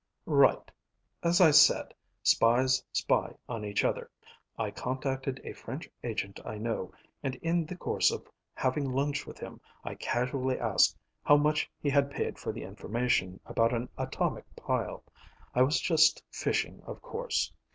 "Right. As I said, spies spy on each other. I contacted a French agent I know, and in the course of having lunch with him I casually asked how much he had paid for the information about an atomic pile. I was just fishing, of course.